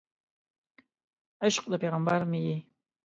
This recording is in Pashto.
عشق د پیغمبر مې یې